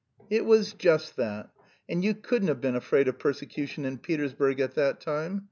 "It was just that. And you couldn't have been afraid of persecution in Petersburg at that time.